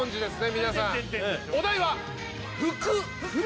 皆さんお題は「服」服！？